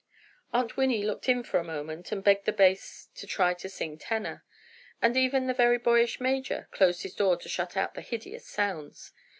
Aunt Winnie looked in for a moment and begged the bass to try to sing tenor! And even the very boyish major closed his door to shut out the hideous sounds.